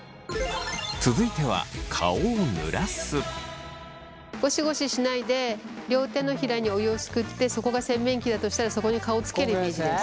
続いてはゴシゴシしないで両手のひらにお湯をすくってそこが洗面器だとしたらそこに顔をつけるイメージです。